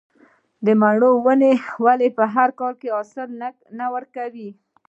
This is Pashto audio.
د مڼو ونې ولې هر کال حاصل نه ورکوي؟